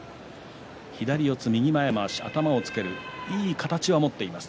左四つ、右前まわし頭をつけるいい形を持っています